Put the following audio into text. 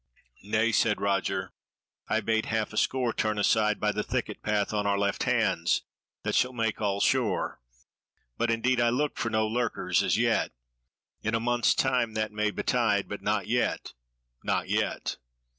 "Nay," said Roger, "I bade a half score turn aside by the thicket path on our left hands; that shall make all sure; but indeed I look for no lurkers as yet. In a month's time that may betide, but not yet; not yet.